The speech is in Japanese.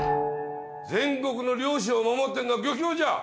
全国の漁師を守ってんのは漁協じゃ！